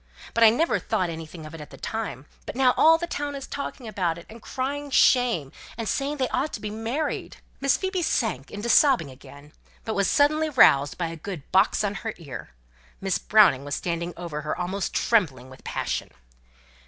But I never thought anything of it at the time; but now all the town is talking about it, and crying shame, and saying they ought to be married." Miss Phoebe sank into sobbing again; but was suddenly roused by a good box on her ear. Miss Browning was standing over her almost trembling with passion.